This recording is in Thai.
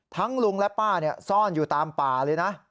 ลุงและป้าซ่อนอยู่ตามป่าเลยนะ